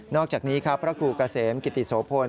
นอกจากนี้ครับพระคุกเซงติทธิโสพนธ์